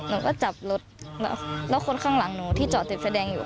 หนูก็จับรถแล้วคนข้างหลังหนูที่จอดติดแสดงอยู่